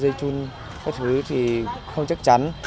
dây chun các thứ thì không chắc chắn